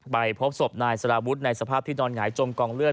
ไปพบศพนายสารวุฒิในสภาพที่นอนหงายจมกองเลือด